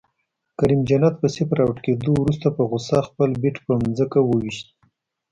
کریم جنت په صفر اؤټ کیدو وروسته په غصه خپل بیټ په ځمکه وویشت